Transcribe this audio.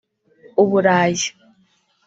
u Burayi